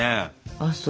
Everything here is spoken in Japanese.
あっそう。